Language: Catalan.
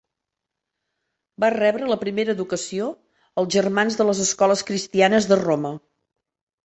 Va rebre la primera educació als germans de les Escoles Cristianes de Roma.